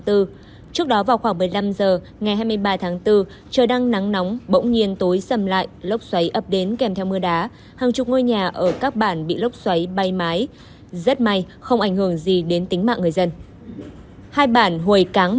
trước đó vào khoảng một mươi năm h ngày hai mươi ba tháng bốn trời đang nắng nóng bỗng nhiên tối xâm lại lốc xoáy ập đến kèm theo mưa đá hàng chục ngôi nhà ở các bản bị lốc xoáy bay mái rất may không ảnh hưởng gì đến tính mạng người dân